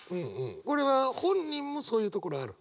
これは本人もそういうところある？